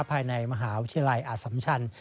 ภายในมหาวิทยาลัยอสัมชัน